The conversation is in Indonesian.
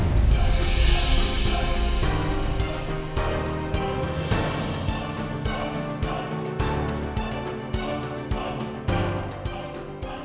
kau mau ke kantor polisi